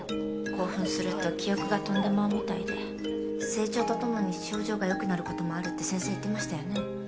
興奮すると記憶が飛んでまうみたいで成長とともに症状がよくなることもあるって先生言ってましたよね？